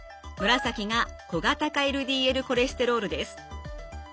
紫が小型化ＬＤＬコレステロールです。